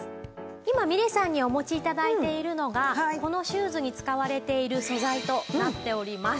今みれさんにお持ち頂いているのがこのシューズに使われている素材となっております。